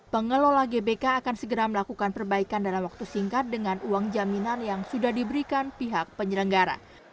pengelola gbk akan segera melakukan perbaikan dalam waktu singkat dengan uang jaminan yang sudah diberikan pihak penyelenggara